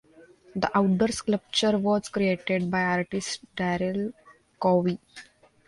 The outdoor sculpture was created by artist Darryl Cowie.